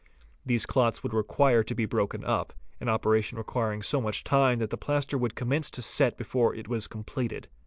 These clots would require to be broken up, an opera tion requiring so much time that the plaster would —— commence to set before it was completed.